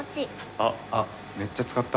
あっ「めっちゃ」使った。